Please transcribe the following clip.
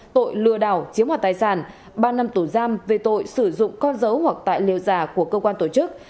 tội lừa đảo chiếm hoạt tài sản ba năm tù giam về tội sử dụng con dấu hoặc tài liệu giả của cơ quan tổ chức